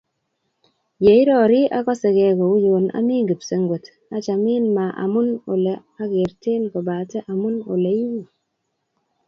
Yeirori akosege kouyon ami kipsengwet. Achamin ma amun ole akerten kobate amun ole iu.